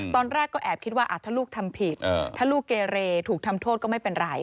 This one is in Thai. ตอนแรกก็แอบคิดว่าถ้าลูกทำผิดถ้าลูกเกเรถูกทำโทษก็ไม่เป็นไร